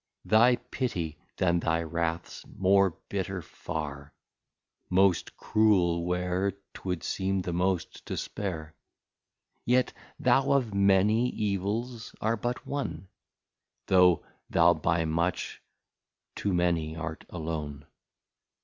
Thy Pitty, than thy Wrath's more bitter far, Most cruel, where 'twould seem the most to spare: Yet thou of many Evils art but One, Though thou by much too many art alone.